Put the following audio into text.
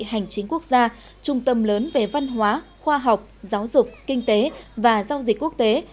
hành chính quốc gia trung tâm lớn về văn hóa khoa học giáo dục kinh tế và giao dịch quốc tế